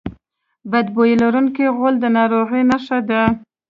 بد بوی لرونکی غول د ناروغۍ نښه ده.